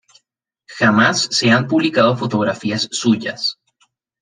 Jamás se han publicado fotografías suyas.